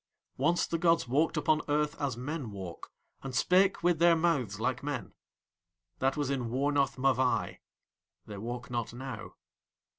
Once the gods walked upon Earth as men walk and spake with their mouths like Men. That was in Wornath Mavai. They walk not now.